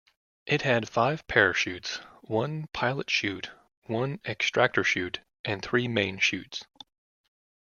It had five parachutes: one pilot chute, one extractor chute, and three main chutes.